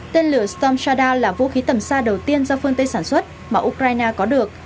tên lửa stom sada là vũ khí tầm xa đầu tiên do phương tây sản xuất mà ukraine có được